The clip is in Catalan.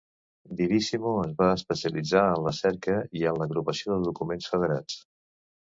Vivisimo es va especialitzar en la cerca i en l'agrupació de documents federats.